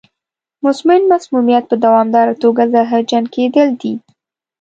مزمن مسمومیت په دوامداره توګه زهرجن کېدل دي.